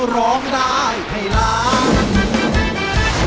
ร้องได้ให้ล้าน